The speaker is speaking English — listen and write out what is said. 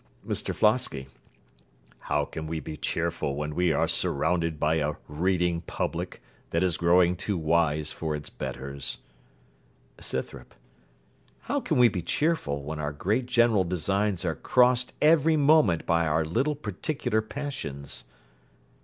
MR FLOSKY How can we be cheerful when we are surrounded by a reading public, that is growing too wise for its betters? SCYTHROP How can we be cheerful when our great general designs are crossed every moment by our little particular passions?